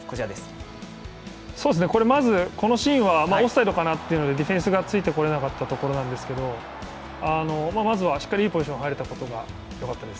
まずこのシーンは、オフサイドかなということでディフェンスがついてこれなかったところなんですがまずはしっかりいいポジションに入れたのが良かったです。